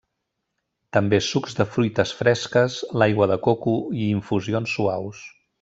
També sucs de fruites fresques, l'aigua de coco i infusions suaus.